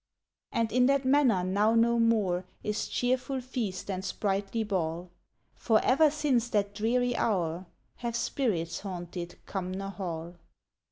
And in that manor now no more Is cheerful feast and sprightly ball; For ever since that dreary hour Have spirits haunted Cumnor Hall.